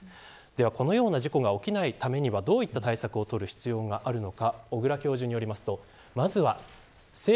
このような事故が起きないためにはどういった対策を取る必要があるのか。